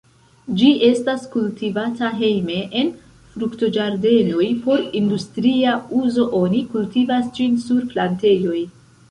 Ĝi estas kultivata hejme, en fruktoĝardenoj, por industria uzo oni kultivas ĝin sur plantejoj.